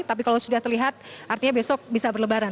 tapi kalau sudah terlihat artinya besok bisa berlebaran